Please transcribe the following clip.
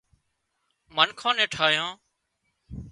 منکان نين ٺاهيان